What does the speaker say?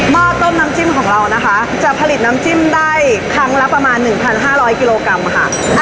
ม่อต้มน้ำจิ้มของเรานะคะจะผลิตน้ำจิ้มได้ครั้งละประมาณหนึ่งพันห้าร้อยกิโลกรัมค่ะ